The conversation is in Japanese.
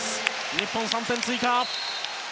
日本、３点追加。